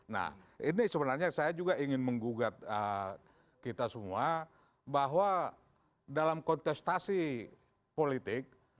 nah ini sebenarnya saya juga ingin menggugat kita semua bahwa dalam kontestasi politik